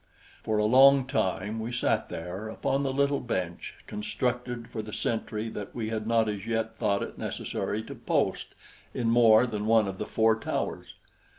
For a long time we sat there upon the little bench constructed for the sentry that we had not as yet thought it necessary to post in more than one of the four towers.